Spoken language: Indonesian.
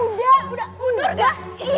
udah udah udah